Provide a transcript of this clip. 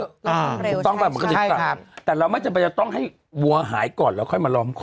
เราก็ต้องเรียกต่อแต่เราไม่จำเป็นจะต้องให้วัวหายก่อนแล้วค่อยมาล้อมคอ